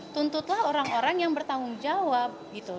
tuntutlah orang orang yang bertanggung jawab